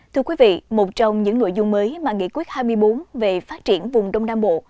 thưa quý vị một trong những nội dung mới mà nghị quyết hai mươi bốn về phát triển vùng đông nam bộ